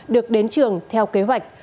được đến trường theo kế hoạch